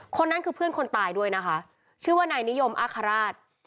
คนนั้นคือเพื่อนคนตายด้วยนะคะชื่อว่านายนิยมอาคาราช